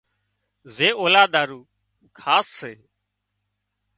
زي اولاد هارُو خاص سي